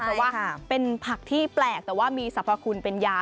เพราะว่าเป็นผักที่แปลกแต่ว่ามีสรรพคุณเป็นยา